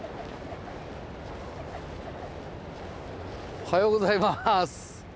おはようございます。